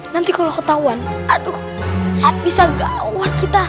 nanti kalau kau tawan aduh bisa gawat kita